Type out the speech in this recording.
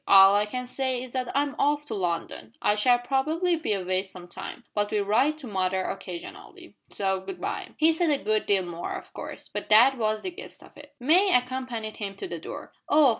"All I can say is that I'm off to London. I shall probably be away some time, but will write to mother occasionally. So good bye." He said a good deal more, of course, but that was the gist of it. May accompanied him to the door. "Oh!